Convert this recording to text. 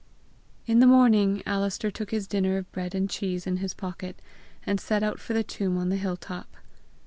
In the morning, Alister took his dinner of bread and cheese in his pocket, and set out for the tomb on the hill top.